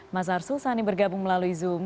mas arsul sani bergabung melalui zoom